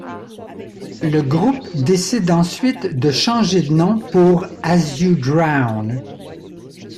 Le groupe décide ensuite de changer de nom pour As You Drown.